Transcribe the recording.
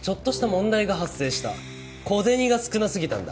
小銭が少なすぎたんだ。